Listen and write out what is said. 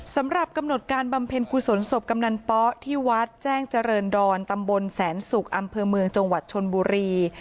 สำหรับกำหนดการบำเพ็ญกุศลศพกำนันป๊ที่วัดแจ้งเจริญดอนตำบลแสนศุกร์อำเภอเมืองจังหวัดชนบุรี